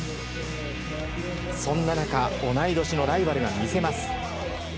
そんな中同い年のライバルが魅せます。